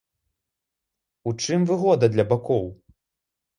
У чым выгода для бакоў?